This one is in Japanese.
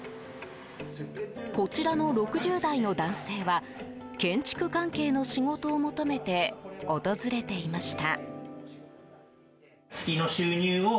こちらの６０代の男性は建築関係の仕事を求めて訪れていました。